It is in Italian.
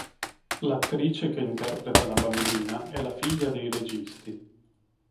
L'attrice che interpreta la bambina è la figlia dei registi.